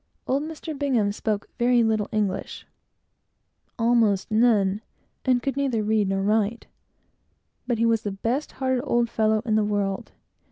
Old "Mr. Bingham" spoke very little English almost none, and neither knew how to read nor write; but he was the best hearted old fellow in the world.